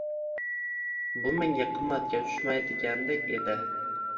Bu menga qimmatga tushmaydigandek edi